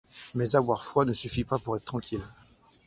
Mais avoir foi ne suffit pas pour être tranquille.